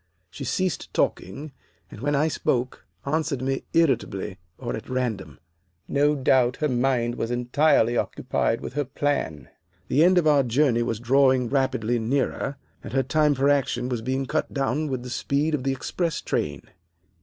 She ceased talking, and, when I spoke, answered me irritably, or at random. No doubt her mind was entirely occupied with her plan. The end of our journey was drawing rapidly nearer, and her time for action was being cut down with the speed of the express train.